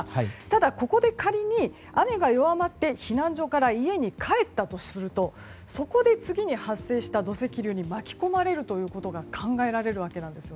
ただ、ここで仮に雨が弱まって避難所から家に帰ったとするとそこで次に発生した土石流に巻き込まれるということが考えられるわけなんです。